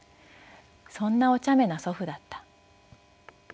そんなおちゃめな祖父だった」。